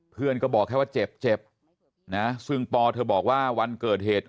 เพื่อนก็บอกแค่ว่าเจ็บเจ็บนะซึ่งปอเธอบอกว่าวันเกิดเหตุ